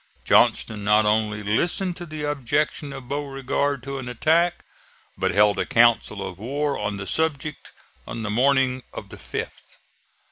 Johnston not only listened to the objection of Beauregard to an attack, but held a council of war on the subject on the morning of the 5th.